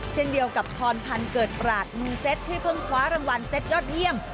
เช่นเดียวกับพรพันธ์เกิดปราศมือเซ็ตที่เพิ่งคว้ารางวัลเซ็ตยอดเยี่ยม